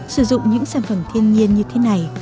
sử dụng những sản phẩm thiên nhiên như thế này